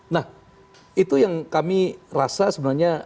nah itu yang kami rasa sebenarnya